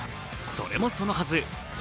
それもそのはず